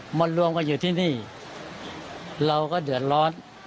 หมดรวมกันอยู่ที่นี่เราก็เดือดร้อน